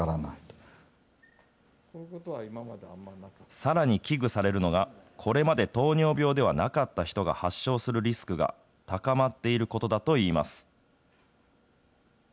さらに危惧されるのが、これまで糖尿病ではなかった人が発症するリスクが高まっていることだといいます。